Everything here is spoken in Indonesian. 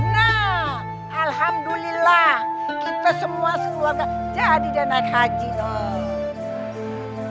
nah alhamdulillah kita semua sekeluarga jadi dan naik haji loh